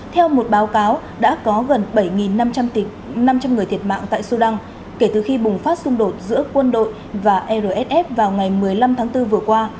theo một báo cáo đã có gần bảy năm trăm linh người thiệt mạng tại sudan kể từ khi bùng phát xung đột giữa quân đội và rsf vào ngày một mươi năm tháng bốn vừa qua